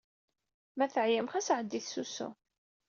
Ma teɛyam, ɣas ɛeddit s usu.